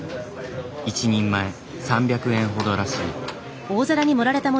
１人前３００円ほどらしい。